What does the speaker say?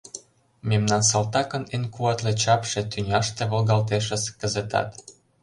Мемнан салтакын эн куатле чапше Тӱняште волгалтешыс кызытат.